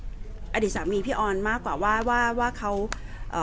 อย่างที่พ่อมาให้กำลังใจตัวเองพยายามให้ตัวเองขึ้นแข็งยังไงบ้าง